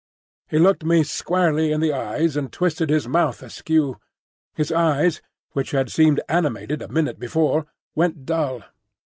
He looked me squarely in the eyes, and twisted his mouth askew. His eyes, which had seemed animated a minute before, went dull.